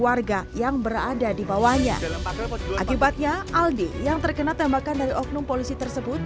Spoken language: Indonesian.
warga yang berada di bawahnya akibatnya aldi yang terkena tembakan dari oknum polisi tersebut